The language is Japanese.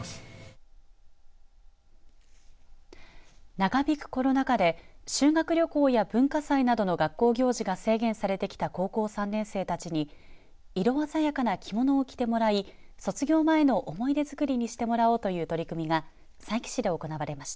長引くコロナ禍で、修学旅行や文化祭などの学校行事が制限されてきた高校３年生たちに色鮮やかな着物を着てもらい卒業前の思い出づくりにしてもらおうという取り組みが佐伯市で行われました。